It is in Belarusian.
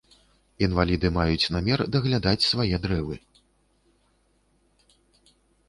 Інваліды маюць намер даглядаць свае дрэвы.